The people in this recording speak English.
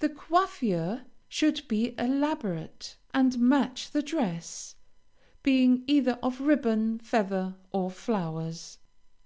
The coiffure should be elaborate, and match the dress, being either of ribbon, feather, or flowers.